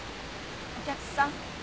お客さん？